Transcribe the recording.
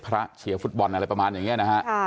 เชียร์ฟุตบอลอะไรประมาณอย่างนี้นะฮะ